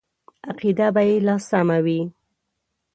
عقیده به یې لا سمه وي.